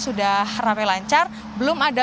sudah ramai lancar belum ada